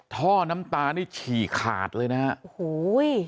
ท่อน้ำตานี่ฉี่ขาดเลยนะฮะโอ้โห